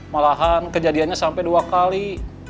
malahan kejadiannya sampai dua kali